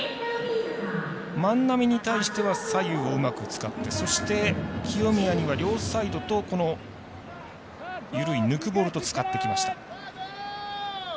万波に対しては左右をうまく使ってそして、清宮には両サイドとこの緩い抜くボールと使ってきました。